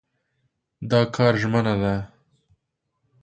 دا کار ژمنه ده.